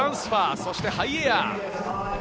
そして、ハイエアー。